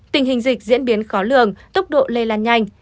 tình hình dịch diễn biến khó lường tốc độ lây lan nhanh